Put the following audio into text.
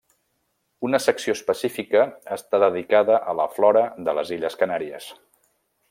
Una secció específica està dedicada a la flora de les Illes Canàries.